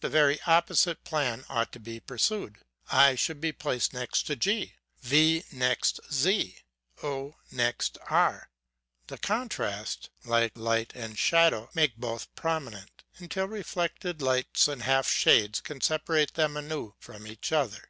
The very oppo site plan ought to be pursued ;% should be placed next g, v next z, o next r ; the contrast, like light and shadow, make both prominent ; until reflected lights and half shades can separate them anew from each other.